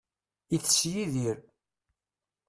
Itess Yidir